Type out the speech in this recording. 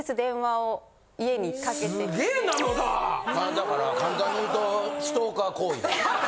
だから簡単にいうとストーカー行為。